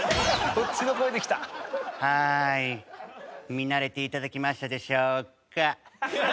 見慣れて頂きましたでしょうか？